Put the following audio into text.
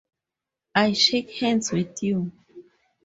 I shake hands with you.